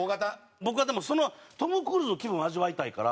僕はでもトム・クルーズの気分を味わいたいから。